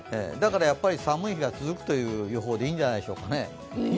だからやっぱり寒い日が続くという予報でいいんじゃないですかね。